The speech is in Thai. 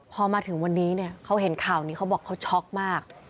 พอมาถึงวันนี้เนี่ยเขาเห็นข่าวนี้เขาบอกเขาช็อกมาก